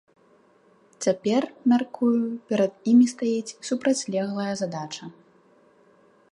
Цяпер, мяркую, перад імі стаіць супрацьлеглая задача.